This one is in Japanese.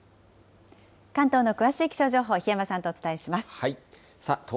関東の詳しい気象情報、檜山さんとお伝えします。